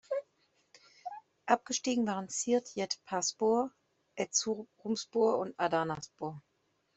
Abgestiegen waren Siirt Jet-Pa Spor, Erzurumspor und Adanaspor.